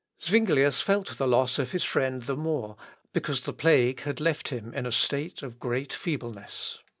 Zuinglius felt the loss of his friend the more, because the plague had left him in a state of great feebleness.